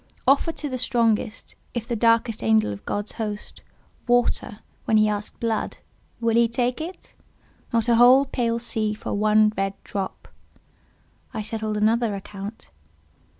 Offer to the strongest—if the darkest angel of God's host—water, when he has asked blood—will he take it? Not a whole pale sea for one red drop. I settled another account.